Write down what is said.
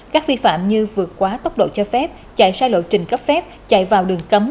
các vi phạm như vượt quá tốc độ cho phép chạy sai lộ trình cấp phép chạy vào đường cấm